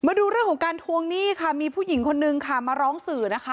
มาดูเรื่องของการทวงหนี้ค่ะมีผู้หญิงคนนึงค่ะมาร้องสื่อนะคะ